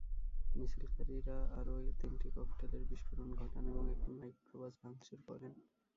মিছিলকারীরা আরও তিনটি ককটেলের বিস্ফোরণ ঘটান এবং একটি মাইক্রোবাস ভাঙচুর করেন।